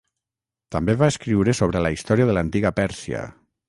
També va escriure sobre la història de l'antiga Pèrsia.